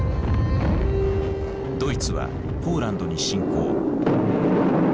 ドイツはポーランドに侵攻。